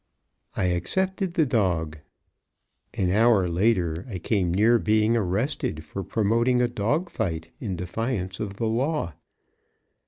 I accepted the dog. An hour later I came near being arrested for promoting a dog fight in defiance of the law.